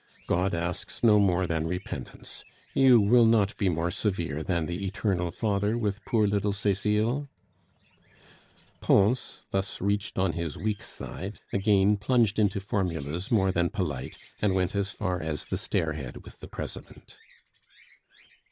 God asks no more than repentance; you will not be more severe than the Eternal father with poor little Cecile? " Pons, thus reached on his weak side, again plunged into formulas more than polite, and went as far as the stairhead with the President.